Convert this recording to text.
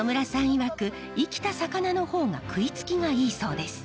いわく生きた魚の方が食いつきがいいそうです。